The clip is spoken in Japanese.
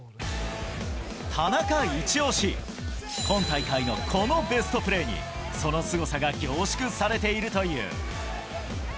田中一押し、今大会のこのベストプレーに、そのすごさが凝縮されているという。